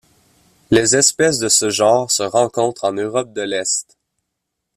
Les espèces de ce genre se rencontrent en Europe de l'Est.